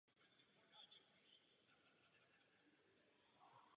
Vnitřek stavby je veřejnosti přístupný pouze ve Dnech evropského dědictví.